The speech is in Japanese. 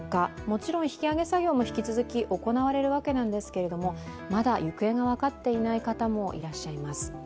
もちろん引き揚げ作業も引き続き行われるわけですけれども、まだ行方が分かっていない方もいらっしゃいます。